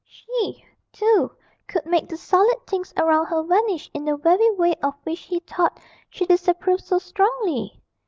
She, too, could make the solid things around her vanish in the very way of which he thought she disapproved so strongly!